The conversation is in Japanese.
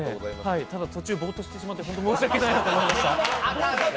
ただ、途中ぼーっとしてしまって申し訳ないなと思いました。